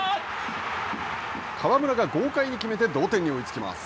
川村が豪快に決めて同点に追いつきます。